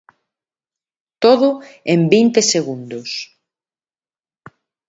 Todo en vinte segundos.